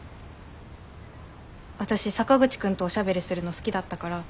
私坂口くんとおしゃべりするの好きだったから。